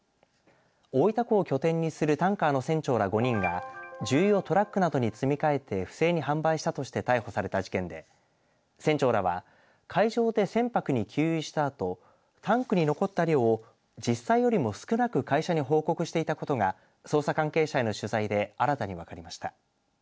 大分港を拠点にするタンカーの船長ら５人が重油をトラックなどに積み替えて不正に販売したとして逮捕された事件で船長らは海上で船舶に給油したあとタンクに残った量を実際よりも少なく会社に報告していたことが捜査関係者への取材で新たに分かりました。